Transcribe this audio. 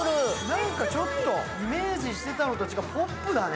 何かちょっとイメージしてたのと違う、ポップだね。